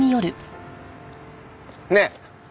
ねえ！